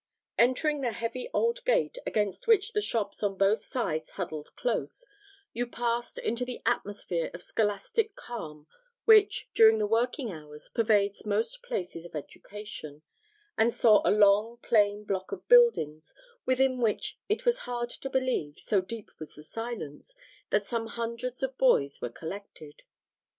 Entering the heavy old gate, against which the shops on both sides huddled close, you passed into the atmosphere of scholastic calm which, during working hours, pervades most places of education, and saw a long plain block of buildings, within which it was hard to believe, so deep was the silence, that some hundreds of boys were collected.